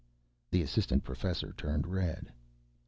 The assistant professor turned red.